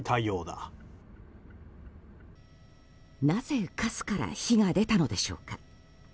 なぜ、カスから火が出たのでしょうか。